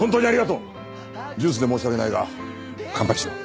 ジュースで申し訳ないが乾杯しよう。